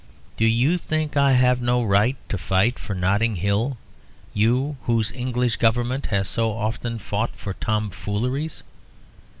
Do you think I have no right to fight for Notting Hill, you whose English Government has so often fought for tomfooleries?